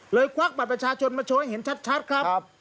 ควักบัตรประชาชนมาโชว์ให้เห็นชัดครับ